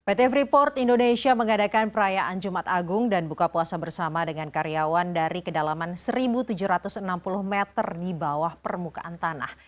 pt freeport indonesia mengadakan perayaan jumat agung dan buka puasa bersama dengan karyawan dari kedalaman satu tujuh ratus enam puluh meter di bawah permukaan tanah